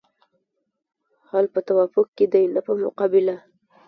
حل په توافق کې دی نه په مقابله.